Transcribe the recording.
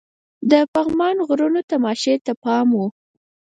د پغمان غرونو تماشې ته پام وو.